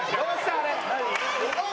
あれ。